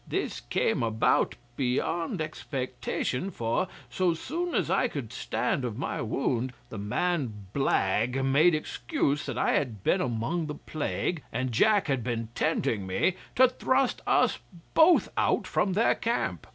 This came about beyond expectation, for, so soon as I could stand of my wound, the man Blagge made excuse that I had been among the plague, and Jack had been tending me, to thrust us both out from their camp.